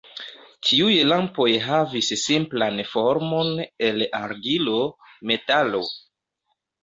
Tiuj lampoj havis simplan formon el argilo, metalo.